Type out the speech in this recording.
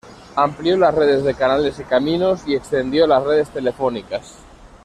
Amplió las redes de canales y caminos, y extendió las redes telefónicas.